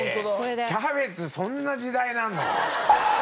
キャベツそんな時代なの？